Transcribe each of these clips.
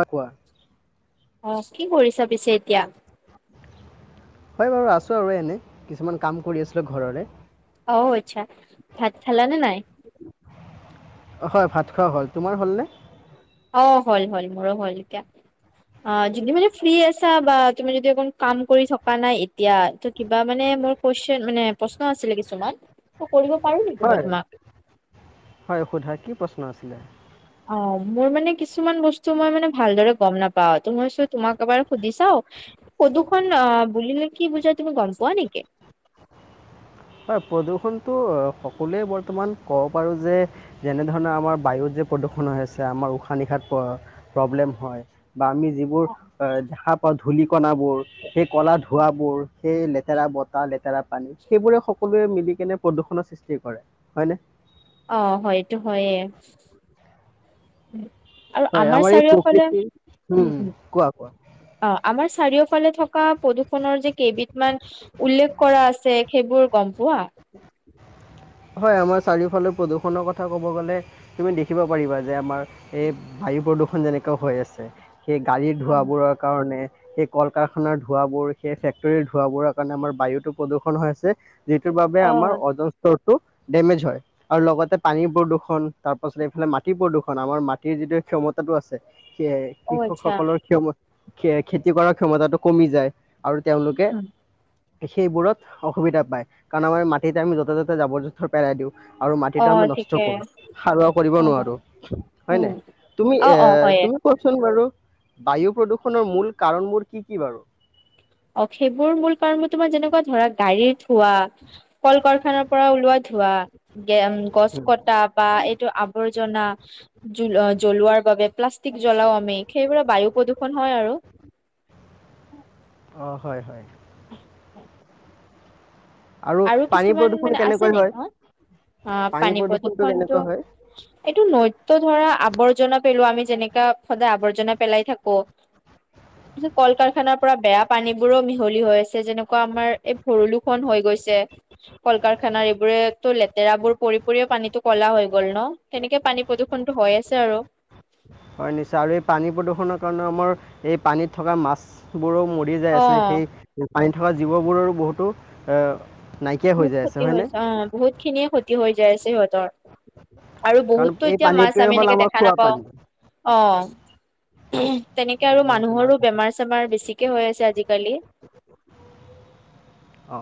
কোৱা। অ', কি কৰিছা পিছে এতিয়া? হয়, বাৰু আছোঁ আৰু এনে কিছুমান কাম কৰি আছিলোঁ ঘৰৰে। অ', আচ্ছা ভাত খালানে নাই? অ', হয় ভাত খোৱা হ'ল, তোমাৰ হ'লনে? অ', হ'ল হ'ল মোৰো হ'ল এতিয়া অ' যদি মানে ফ্ৰী আছা বা তুমি যদি কাম কৰি থকা নাই এতিয়া। কিবা মানে মোৰ কুৱেশন মানে প্ৰশ্ন আছিলে কিছুমান মই কৰিব পাৰো নেকি হয় মই তোমাক? হয়, সোধা কি প্ৰশ্ন আছিলে? অ', মোৰ মানে কিছুমান বস্তু মই মানে ভালদৰে গম নাপাওঁ। ত' মই চ' তোমাক এবাৰ সুধি চাওঁ। প্ৰদূষণ অ' বুলিলে কি বুজাই তুমি গম পোৱা নেকি? হয়, প্ৰদূষণটো সকলোৱে বৰ্তমান ক'ব পাৰোঁ যে যেনেধৰণৰ আমাৰ বায়ুত যে প্ৰদূষণ হৈ আছে আমাৰ উশাহ নিশাত প্ৰ প্ৰব্লেম হয়। বা আমি যিবোৰ অ' দেখা পাওঁ। ধূলিকণাবোৰ সেই কলা ধোৱাবোৰ সেই লেতেৰা বতাহ লেতেৰা পানী সেইবোৰে সকলোৱে মিলি কেনে প্ৰদূৰষণৰ সৃষ্টি কৰে হয় নে? অ', হয় এইটো হয়ে। আৰু হয়, আমাৰ এই চাৰিওফালে প্ৰকৃতি উম কোৱা কোৱা। অ', আমাৰ চাৰিওফালে থকা প্ৰদূষণৰ যে কেইবিধমান উল্লেখ কৰা আছে সেইবোৰ গম পোৱা? হয়, আমাৰ চাৰিওফালে প্ৰদূষণৰ কথা ক'ব গ'লে তুমি দেখিব পাৰিবা যে আমাৰ এই বায়ু প্ৰদূষণ যেনেকুৱা হৈ আছে। সেই গাড়ীৰ ধোঁৱাবোৰৰ কাৰণে। সেই কল কাৰখানাৰ ধোঁৱাবোৰ সেই ফেক্টৰীৰ ধোঁৱাবোৰৰ কাৰণে আমাৰ বায়ুটো প্ৰদূষণ হৈ আছে। যিটোৰ বাবে অ আমাৰ অজন স্তৰটো ডেমেজ হয়। আৰু লগতে পানীৰ প্ৰদূৰষণ তাৰ পাছত এইফালে মাটি প্ৰদূষণ আমাৰ মাটিৰ যিটো ক্ষমতাটো আছে। সেয়ে অ আচ্ছা কৃষকসকলৰ ক্ষম খেতি কৰাৰ ক্ষমতাটো কমি যায়। আৰু তেওঁলোকে সেইবোৰত অসুবিধা পাই কাৰণ আমাৰ মাটিতে আমি য'তে ত'তে জাবৰ জোথৰ পেলাই দিওঁ। আৰু অ মাটিটো আমি নষ্ট ঠিকে কৰো। সাৰুৱা কৰিব নোৱাৰো হয় উম নাই তুমি অ এ অ হয়ে তুমি কোৱাচোন বাৰু বায়ু প্ৰদূষণৰ মূল কাৰণবোৰ কি কি বাৰু? অ', সেইবোৰ মূল কাৰণ মোৰ তোমাৰ যেনেকুৱা ধৰা গাড়ীৰত ধোৱা কল কাৰখানাৰ পৰা ওলোৱা ধোৱা গে গছ কট টা বা এইটো আৱৰ্জনা। জোল অ' জ্বলোৱাৰ বাবে প্লাষ্টিক জ্বলাও আমি সেইবোৰে বায়ু প্ৰদূষণ হয় আৰু। অ', হয় হয়। [inaudible] আৰু পানী কিছুমান প্ৰদূষণ মানে আছে কেনেকৈ হয় নেকি অ' অ' পানী প্ৰদূষণটো এইটো নৃতয় ধৰা আৱৰ্জনা পেলো আমি যেনেকা সদায় আৱৰ্জনা পেলাই থাকো। [inaudible] কল কাৰখানাৰ পৰা বেয়া পানী বোৰো মিহলি হৈ আছে যেনেকুৱা আমাৰ এই ভৰুলো খন হৈ গৈছে। যে', কল কাৰখানাৰ এইবোৰেতো লেতেৰাবোৰ পৰি পৰিও পানীতো কলা হৈ গ'ল ন সেনেকে পানী প্ৰদূষণ। হৈ আছে আৰু। হয় নিশ্চয় আৰু এই পানী প্ৰদূষণৰ কাৰণে আমাৰ এই পানীত থকা মাছবোৰো মৰিলে। বি যায় অ আছে সেই পানী থকা জীৱবোৰৰো বহুতো। আহ নাইকিয়া বহুত হৈ যাই ক্ষতি আছে হয় নে। হৈছে অ বহুত খিনিয়ে ক্ষতি হৈ যায় আছে সিহঁতৰ। আৰু কাৰণ বহুতো এই এতিয়া মাছ পানীটোৱে আমি হ'ল এনেকে আমাৰ দেখা খোৱা নাপাওঁ পানী অ। তেনেকে আৰু বহুত মানুহৰো মাছ বেমাৰ চেমাৰ বেছিকে হৈ আছে আজিকালি। অ।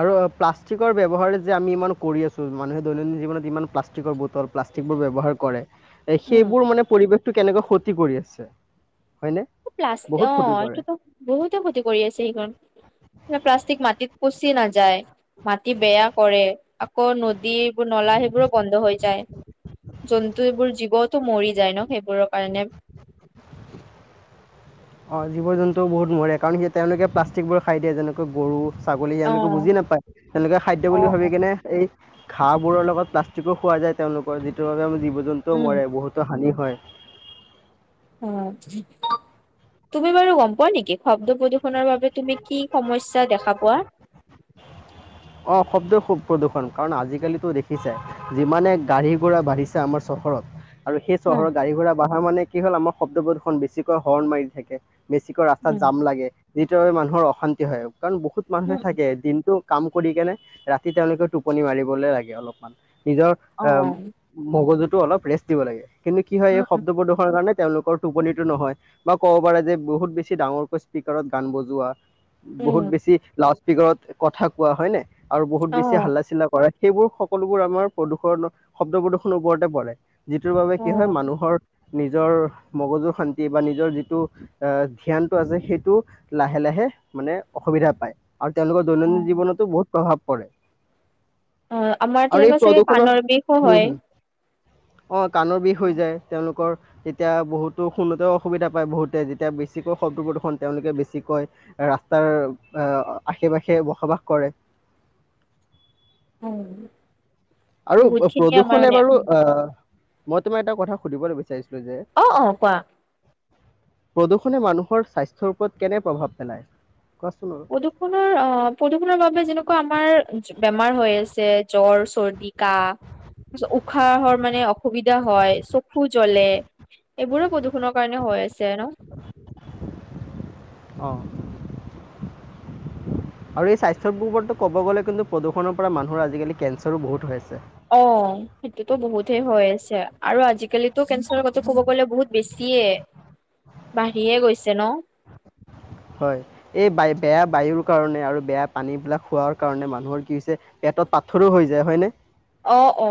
আৰু প্লাষ্টিকৰ ব্যৱহাৰ যে আমি ইমান কৰি আছোঁ মানুহে দৈনন্দিন জীৱনত ইমান প্লাষ্টিকৰ বুট। প্লাষ্টিক বোৰ ব্যৱহাৰ কৰে এ উম। সেইবোৰ মানে পৰিৱেশ টো কেনেকৈ ক্ষতি কৰি আছে। হয়নে প্লা বহুত অ ক্ষতি কৰে এইটোতো বহুতে ক্ষতি কৰি আছে সেইখন। মান প্লাষ্টিক মাটিত পচি নাযায়। মাটি বেয়া কৰে আকৌ নদী এইবোৰ নলা সেইবোৰো বন্ধ হৈ যায়। জন্তুবোৰ জীৱতো মৰি যায় ন সেইবোৰৰ কাৰণে। [inaudible] অঁ জীৱ জন্তুও বহুত মৰে কাৰণ সেই তেওঁলোকে প্লাষ্টিকবোৰ খাই দিয়ে যেনেকৈ গৰু। ছাগলী অ এলোকে বুজি নাপায় তেওঁলোকে খাদ্য অ বুলি অ ভাবি কেনে এই। ঘাঁহবোৰৰ লগত প্লাষ্টিকো খোৱা যায় তেওঁলোকৰ যিটোৰ বাবে আমাৰ জীৱ জন্তুও উম মৰে বহুতো হানি হয়। অ তুমি বাৰু গম পোৱা নেকি শব্দ প্ৰদূষণৰ বাবে। তুমি কি সমস্যা দেখা পোৱা। আহ শব্দ খুব প্ৰদূষণ কাৰণ আজিকালিতো দেখিছাই। যিমানে গাড়ী ঘোৰা বাঢ়িছে আমাৰ চহৰত। আৰু সেই উম চহৰৰ গাড়ী বা মানে কি হ'ল আমাৰ শব্দ দুখন বেছিকৈ হৰ্ণ মাৰি থাকে। বেছিকৈ ৰাস্তাত উম জাম লাগে। যিটোৰ মানুহৰ অশান্তি হয় কাৰণ বহুত মানুহে উম থাকে দিনটো কাম কৰি কেনে ৰাতি তেওঁলোকে। টোপনি মাৰিবলৈ লাগে অলপমান নিজৰ অ মগজুটো অলপ ৰেষ্ট দিব লাগে। কিন্তু কি হয় উম এই উম শব্দ প্ৰদূষণৰ কাৰণে। তেওঁলোকৰ টোপনিিটো নহয় বা ক'ব পাৰে যে বহুত বেছি ডাঙৰকৈ স্পীকাৰত গান বজোৱা। উম বহুত বেছি লাউড স্পকাৰত কথা কোৱা হয় নে আৰু বহুত অ বেছি হাল্লা চিলা কৰা। সেইবোৰ সকলোবোৰ আমাৰ প্ৰদূৰণৰ শব্দ প্ৰদূৰণৰ ওপৰতে পৰে। যিটোৰ বাবে অ কি হয় মানুহৰ। নিজৰ মগজুৰ শান্তি বা নিজৰ যিটো আহ ধ্যানটো আছে সেইটো। লাহে লাহে মানে অসুবিধা পায় আৰু তেওঁলোকৰ অ দৈনন্দিন জীৱনতো বহুত প্ৰভাৱ পৰে। [inaudible] অ আমাৰ আৰু তেনেকুৱা চাগে কাণৰ বিষো হয়। অ কাণৰ বিষ হৈ যায় তেওঁলোকৰ এই। এতিয়া বহুতো শুনোতেও অসুবিধা পাই বহুতে যেতিয়া বেছিকৈ শব্দ প্ৰদৰ্শন তেওঁলোকে বেছি। কি কয় ৰাস্তাৰ আহ আশে পাশে বসবাস কৰে। উম। আৰু বহুত খিনিয়ে আমাৰ প্ৰদূষণে মানে বাৰু অ মই তোমাৰ এটা কথা সুধিবলৈ বিচাৰিছিলোঁ যে। অ, অ, কোৱা। প্ৰদূষণে মানুহৰ স্বাস্থ্যৰ ওপৰত কেনে প্ৰভাৱ পেলায়, কোৱাচোন। প্ৰদূষণৰ অ, প্ৰদূষণৰ বাবে যেনেকুৱা আমাৰ বেমাৰ হৈ আছে জ্বৰ চৰ্দি কাহ [unintelligible] উশাহৰ মানে অ সুবিধা হয়, চকু জ্বলে, এইবোৰো প্ৰদূষণৰ কাৰণে হৈ আছে ন। অ, আৰু এই স্বাস্থ চব বোবৰটো ক'ব গ'লে কিন্তু প্ৰদূষণৰ পৰা মানুহৰ আজিকালি কেঞ্চাৰো বহুত হৈ আছে। অ, সেইটোয়েতো বহুত হে হৈ আছে, আৰু আজিকালিতো কেঞ্চাৰৰ কথাতো ক'ব গ'লে বহুত বেছিয়ে, বাঢ়িয়ে গৈছে ন। হয়। এই বায় বেয়া বায়ুৰ কাৰণে আৰু বেয়া পানী বিলাক খোৱাৰ কাৰণে মানুহৰ কি হৈছে পেটত পাথৰো হৈ যায় হয় নে? অ, অ।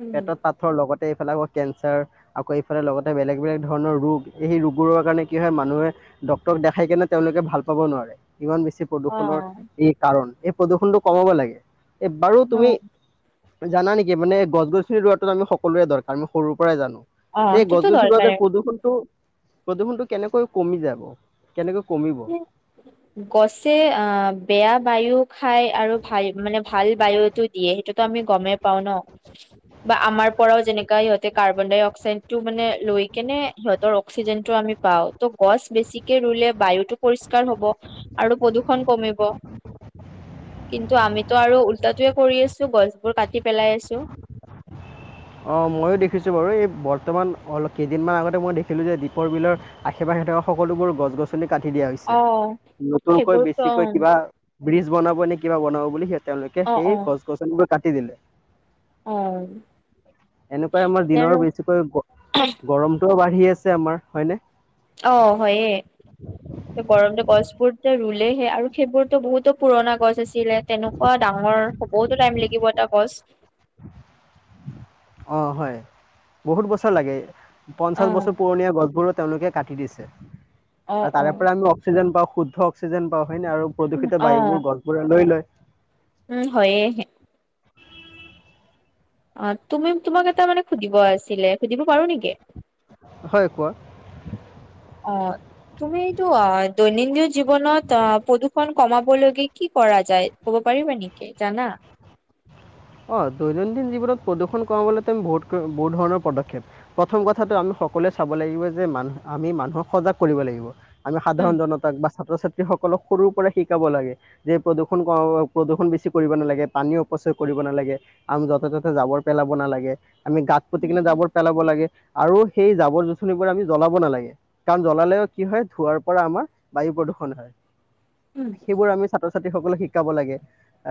উম পেটত পাথৰ লগতে এইফালে আকৌ কেঞ্চাৰ। আকৌ এইফালে লগতে বেলেগ বেলেগ ধৰণৰ ৰোগ এই ৰোগবোৰৰ কাৰণে কি হয় মানুহে ডক্তৰক দেখাই কেনে তেওঁলোকে ভাল পাব নোৱাৰে। ইমান বেছি অ প্ৰদূৰণৰ এই কাৰণ, এই প্ৰদূৰণটো কমাব লাগে এই বাৰু ন তুমি, জানা নেকি মানে গছ গছনি ৰোৱাটো আমি সকলোৰে দৰকাৰ সৰুৰ পৰাই জানো, অ এ গছ সেইটোতো গছনি [unintelligible] দৰকাৰে প্ৰদূষণটো। প্ৰদূষণটো কেনেকৈ কমি যাব, কেনেকৈ কমিব? গছে অ, বেয়া বায়ু খাই আৰু ভাল মানে ভাল বায়ুতো দিয়ে সেইতোটো আমি গমেই পাওঁ ন। বা আমাৰ পৰাও যেনেকা সিহঁতে কাৰ্বন ডাই অক্সাইডটো মানে লৈ কেনে সিহঁতৰ অক্সিজেনটো আমি পাওঁ ত' গছ বেছিকে ৰুলে বায়ু পৰিষ্কাৰ হ'ব, আৰু প্ৰদূষণ কমিব। কিন্তু আমিতো আৰু উলতায়ে কৰি আছো, গছ বোৰ কাটি পেলাই আছো। [inaudible] অ, ময়ো দেখিছোঁ বাৰু এই বৰ্তমান অলপ কেইদিনমান আগতে মই দেখিলোঁ যে দীপৰ বিলৰ আশে পাশে থকা সকলোবোৰ গছ গছনি কাটি দিয়া হৈছে, অ নতুনকৈ সেইবোৰতো অ বেছিকৈ কিবা ব্ৰিজ বনাব নে কিবা বনাব বুলি সেই তেওঁলোকে অ সেই অ গছ গছনিবোৰ কাটি দিলে। অ। এনেকুৱাই আমাৰ এতিয়া দিনৰ আৰু বেছিকৈ গৰ-গৰমটোও বাঢ়ি আছে আমাৰ হয়নে? অ, হয়ে। গৰম যে গছ বোৰটো ৰুলেহে আৰু সেইবোৰতো বহুতো পুৰণা গছ আছিলে তেনে পোৱা ডাঙৰ হ'বতো টাইম লাগিব এটা গছ। অ, হয়, বহুত বছৰ লাগে। অ পঞ্চাশ বছৰ পুৰণীয়া গছবোৰো তেওঁলোকে কাটি দিছে, অ আৰু অ তাৰে পৰা আমি অক্সিজেন পাওঁ শুদ্ধ অক্সিজেন পাওঁ হয়নে আৰু প্ৰদূষিত অ বায়ুবোৰ গছবোৰে লৈ লয়। উম, হয়ে। অ, তুমি তোমাক এটা মানে সুধিব আছিলে সুধিব পাৰো নেকি? হয়, কোৱা। অ। তুমি এইটো অ, দৈনন্দিন জীৱনত অ, প্ৰদূষণ কমাব লৈকে কি কৰা যায়? ক'ব পাৰিবা নেকি? জানা? অ, দৈনন্দিন জীৱনত প্ৰদূষণ কমাবলৈ তেওঁ বহু বহুত বহুত ধৰণৰ পদক্ষেপ প্ৰথম কথাটো আমি সকলোৱে চাব লাগিব যে মানুহ আমি মানুহক সজাগ কৰিব লাগিব। আমি উম, সাধাৰণ জনতাক বা ছাত্ৰ ছাত্ৰীসকলক সৰুৰ পৰাই শিকাব লাগে। যে প্ৰদূষণ প্ৰদূষণ বেছি কৰিব নালাগে। পানী অপচয় কৰিব নালাগে, আমি য'তে ত'তে জাবৰ পেলাব নালাগে, আমি গাত পুতি কিনে জাবৰ পেলাব ব লাগে, আৰু সেই জাৱৰ জোথনিবোৰ আমি জ্বলাব নালাগে। কাৰণ জ্বলালেও কি হয় ধোঁৱাৰ পৰা আমাৰ বায়ু প্ৰদূষণ হয়। উম, সেইবোৰ আমি ছাত্ৰ ছাত্ৰীসকলক শিকাব লাগে,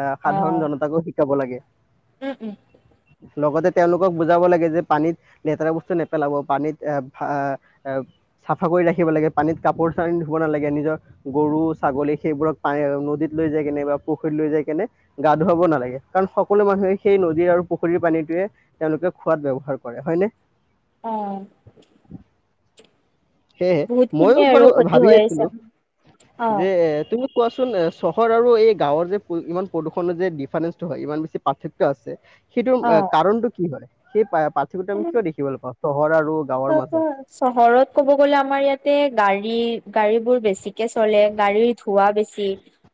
আহ সাধাৰণ অ' জনতাকো শিকাব লাগে। উম, উম। লগতে তেওঁলোকক বুজাব লাগে যে পানীত লেতেৰা বস্তু নেপেলাব। পানীত এ ভা এ চাফা কৰি ৰাখিব লাগে। পানীত কাপোৰ চানি ধুব নালাগে, নিজৰ গৰু ছাগলী সেইবোৰক পান নদীত লৈ যায় কেনে বা পুখুৰীত লৈ যাই কেনে গা ধুৱাব নালাগে। কাৰণ সকলো মানুহে সেই নদীৰ আৰু পুখুৰীৰ পানীটোয়ে তেওঁলোকে খোৱাত ব্যৱহাৰ কৰে হয়নে? অ'। সেয়হে বহুত ময়ো খিনিয়ে আৰু বাৰু ক্ষতি ভাবি হৈ আছে আছিলো, যে অ' তুমি কোৱাচোন চহৰ আৰু এই গাঁৱৰ যে ইমান প্ৰদূষণৰ যে ডিফাৰেঞ্চ ইমান বেছি পাৰ্থক্য আছে সেইটো অ' কাৰণটো কি হয়? সেই পাৰ্থক্যতো আমি কিয় দেখিবলৈ পাওঁ চহৰ আৰু গাঁৱৰ অ ক মাজত? [unintelligible] চহৰত ক'ব গ'লে, আমাৰ ইয়াতে গাড়ী গাড়ীবোৰ বেছিকে চলে, গাড়ীৰ ধোঁৱা বেছি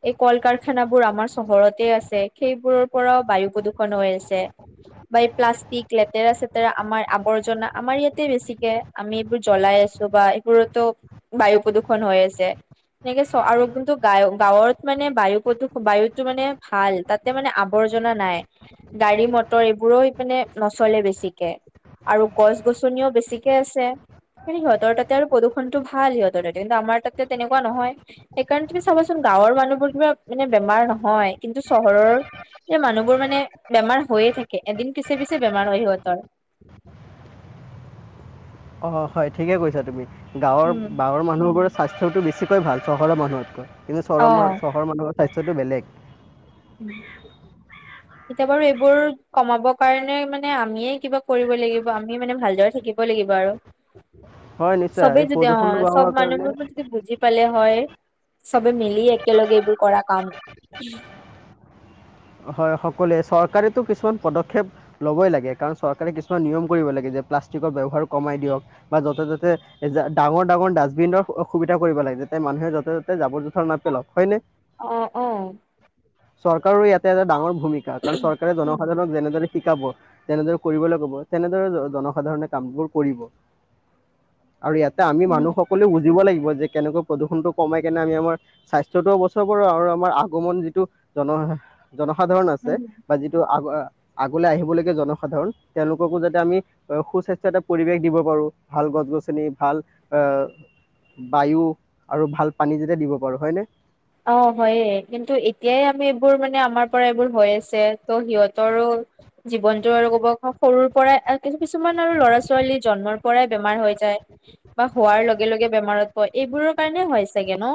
এই কল কাৰখানাবোৰ আমাৰ চহৰতে আছে, সেইবোৰৰ পৰাওঁ বায়ু প্ৰদূষণ হৈ আছে। বা এই প্লাষ্টিক লেতেৰা চেতেৰা আমাৰ আৱৰ্জনা আমাৰ ইয়াত বেছিকে আমি এইবোৰ জ্বলাই আছো বা এইবোৰতো বায়ু প্ৰদূষণ হৈ আছে। সনেকে চ আৰু কিন্তু গায় গাঁৱত মানে বায়ু প্ৰদূষ বায়ুতো মানে ভাল। তাত তে মানে আৱৰ্জনা নাই। গাড়ী মটৰ এইবোৰো মানে নচলে বেছিকে। আৰু গছ গছ নিও বেছিকে আছে। ন্তু সিহঁতৰ ততে আৰু প্ৰদূষণটো ভাল, সিহঁৰ তাতে কিন্তু আমাৰ তাতে তেনেকুৱা নহয়। সেইকাৰণে তুমি চাবাচোন গাঁৱৰ মানুহবোৰ কিবা মানে বেমাৰ নহয়। কিন্তু চহৰৰ এই মানুহবোৰ মানে বেমাৰ হৈয়ে থাকে, এদিন পিছে পিছে বেমাৰ হয় সিহঁতৰ। [inaudible] অঁ হয় ঠিকে কৈছা তুমি। গাঁৱৰ উম। গাঁৱৰ মানুহবোৰৰ স্বাস্থ্যটো বেছিকৈ ভাল চহৰৰ মানুহতকৈ। কিন্তু চৰৰহৰ অ', চহৰৰ মানুহৰ স্বাস্থ্যটো বলেগ। উম। উ [unintelligible] এতিয়া বাৰু এইবোৰ কমাব কাৰণে মানে আমিয়ে কিবা কৰিব লাগিব, আমি মানে ভালদৰে থাকিব লাগিব আৰু। হয়, নিশ্চয়। চবেই এই প্ৰদূষণটো বন্ধ হোৱাৰ কাৰণে কালে হয়, চবে মিলি একেলগে এইবোৰ কৰা কাম হয় সকলোৱে। চৰকাৰেতো কিছুমান পদক্ষেপ ল'বই লাগে, কাৰণ চৰকাৰে কিছুমান নিয়ম কৰিব লাগে যে প্লাষ্টিকৰ ব্যৱহাৰ কমাই দিয়ক বা য'তে ত'তে ডাঙৰ ডাঙৰ ডাষ্টবিনৰ অসুবিধা কৰিব লাগে, যাতে মানুহে য'তে ত'তে জাবৰ জোথৰ নাপেলাওক। হয়নে? অ', অ'। চৰকাৰো ইয়াতে এটা ডাঙৰ ভূমিকা। কাৰণ চৰকাৰে উম, জনসাধাৰণক যেনেদৰে শিকাব তেনেদৰে কৰিবলৈ ক'ব তেনেদৰে জনসাধাৰণে কামবোৰ কৰিব। আৰু ইয়াতে আমি মানুহ উম। সকলেও বুজিব লাগিব যে কেনেকুৱা প্ৰদূষণটো কমাই কেনে আমি আমাৰ স্বাস্থ্য়টোও বচাব পাৰো, আৰু আমাৰ আগমন যিটো জন- জনসাধাৰণ আছে বা যিটো আগ আগলৈ আহিব লগীয়া জনসাধাৰণ, তেওঁলোককো যাতে আমি- সুস্বাস্থ্য এটা পৰিৱেশ দিব পাৰো, ভাল গছ গছনি ভাল আহ- বায়ু আৰু ভাল পানী যাতে দিব পাৰো, হয় নে? অঁ' হয়ে, কিন্তু এতিয়াই আমি এইবোৰ মানে আমাৰ পৰা এইবোৰ হৈ আছে ত' সিহঁতৰো- জীৱনটো আৰু ক'ব সৰুৰ পৰাই কিছুমান আৰু ল'ৰা ছোৱালী জন্মৰ পৰাই বেমাৰ হৈ যায়। বা হোৱাৰ লগে লগে বেমাৰত পৰে, এইবোৰৰ কাৰণে হয় চাগে ন?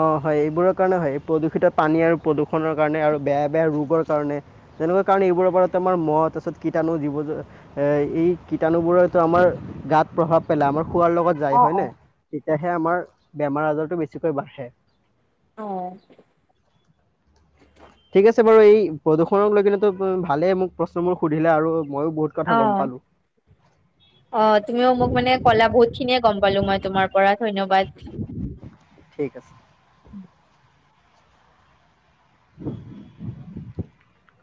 অঁ হয়, এইবোৰৰ কাৰণে হয় প্ৰদূষিত পানী আৰু প্ৰদূষণৰ কাৰণে আৰু বেয়া বেয়া ৰোগৰ- কাৰণে, তেনেকুৱা কাৰণে এইবোৰৰ পৰা আমাৰ মহ তাৰপিছত কীটাণু জীৱ- এই কীটাণুবোৰতো আমাৰ গাত প্ৰভাৱ পেলাই, আমাৰ খোৱাৰ লগত- যায় অ', হয় নে, অ'। তেতিয়াহে আমাৰ বেমাৰ আজাৰটো বেছিকৈ বাঢ়ে। অঁ' ঠিক আছে বাৰু, এই প্ৰদূষণক লৈ কিনেটো ভালেই মোক প্ৰশ্নবোৰ সুধিলে আৰু মইয়ো বহুত- কথা গম অঁ' পালোঁ অ' তুমিও মোক মানে কলা বহুত খিনিয়ে গম পালো মই তোমাৰ পৰা ধন্যবাদ। ঠিক আছে। [inaudible]